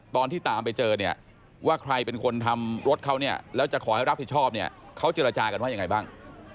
ตอนที่ตามไปเจอเนี่ยว่าใครเป็นคนทำรถเขาเนี่ยแล้วจะขอให้รับผิดชอบเนี่ยเขาเจรจากันว่ายังไงบ้าง